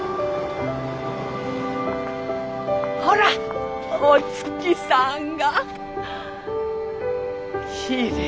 ほらっお月さんがきれいねえ。